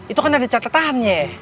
itu kan ada catatannya